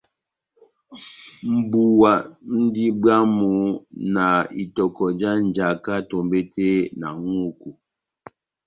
Mʼbuwa múndi bwámu na itɔkɔ já njaka tombete na ŋʼhúku,